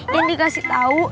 yang dikasih tahu